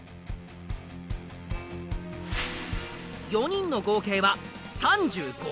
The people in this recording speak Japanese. ４人の合計は３５回。